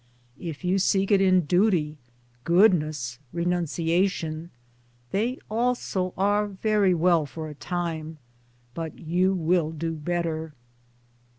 If you seek it in Duty, Goodness, Renunciation, they also are very well for a time ; but you will do better.